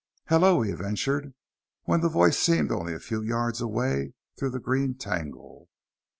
"Hello," he ventured, when the voice seemed only a few yards away through the green tangle.